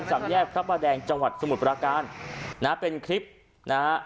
สามแยกพระประแดงจังหวัดสมุทรปราการนะฮะเป็นคลิปนะฮะ